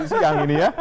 sekarang ini ya